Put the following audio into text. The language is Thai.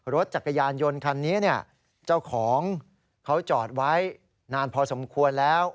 รถจักรยานยนต์คันนี้เนี่ยเจ้าของเขาจอดไว้นานพอสมควรแล้ว